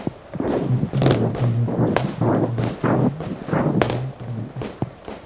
শীতকালে আর্দ্র ঋতু এবং গ্রীষ্ম গরম এবং শুষ্ক।